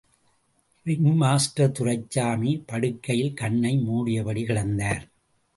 Ringmaster Duraisamy படுக்கையில் கண்ணை மூடியபடிக் கிடந்தார்.